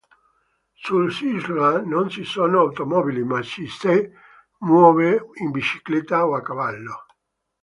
Sull'isola non ci sono automobili ma ci si muove in bicicletta o a cavallo.